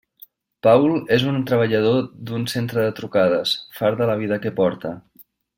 Paul és un treballador d'un centre de trucades, fart de la vida que porta.